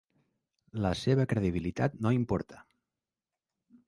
La seva credibilitat no importa.